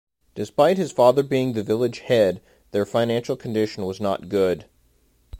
Despite his father being the village head, their financial condition was not good.